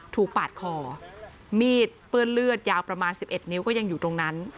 ปาดคอมีดเปื้อนเลือดยาวประมาณ๑๑นิ้วก็ยังอยู่ตรงนั้น